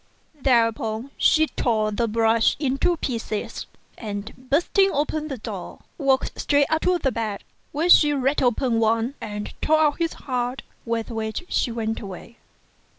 Thereupon, she tore the brush to pieces, and bursting open the door, walked straight up to the bed, where she ripped open Wang and tore out his heart, with which she went away.